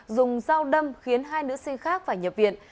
dùng dao đâm khiến hai nữ sinh khác phải nhập viện